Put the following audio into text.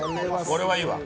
これはいいわ。